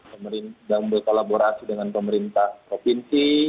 pemerintah berkolaborasi dengan pemerintah provinsi